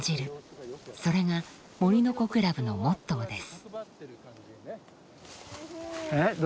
それが森の子クラブのモットーです。